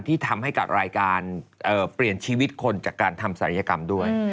ที่ทำให้กับรายการเปลี่ยนชีวิตคนจากการทำศัลยกรรมด้วย